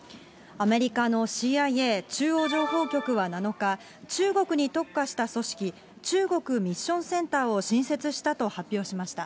アメリカのＣＩＡ・中央情報局は７日、中国に特化した組織、中国ミッションセンターを新設したと発表しました。